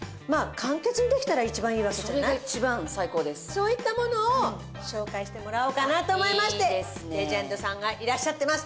そういったものを紹介してもらおうかなと思いましてレジェンドさんがいらっしゃってます。